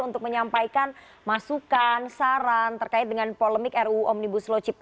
untuk menyampaikan masukan saran terkait dengan polemik ruu